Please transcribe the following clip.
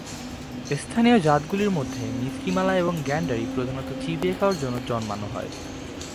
স্থানীয় জাতগুলির মধ্যে মিশ্রিমালা এবং গেন্ডারি প্রধানত চিবিয়ে খাওয়ার জন্যই জন্মানো হয়।